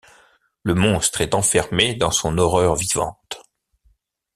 Le monstre est enfermé dans son horreur vivante.